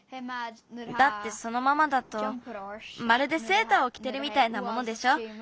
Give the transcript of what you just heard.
だってそのままだとまるでセーターをきてるみたいなものでしょ。